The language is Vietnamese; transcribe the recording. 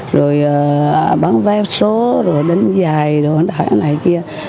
rồi bán vé số rồi đánh giày đồ hóa đại ở nãy kia